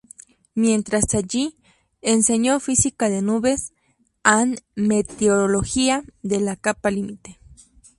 Mientras allí, enseñó física de nubes and meteorología de la capa límite.